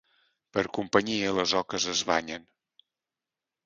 Per companyia les oques es banyen.